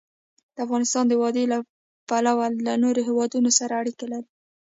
افغانستان د وادي له پلوه له نورو هېوادونو سره اړیکې لري.